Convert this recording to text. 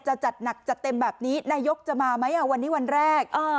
จะจัดหนักจัดเต็มแบบนี้นายกจะมาไหมวันนี้วันแรก